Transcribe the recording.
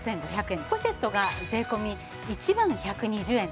ポシェットが税込１万１２０円。